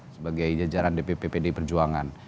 sebagai jajaran dpp pdi perjuangan